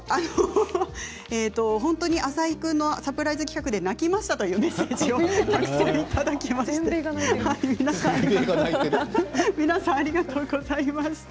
本当に浅井君のサプライズ企画で泣きましたというメッセージをたくさんいただきました。